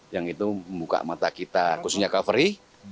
yang itu membuka mata kita khususnya covery